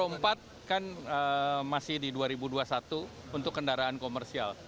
karena rp empat kan masih di dua ribu dua puluh satu untuk kendaraan komersial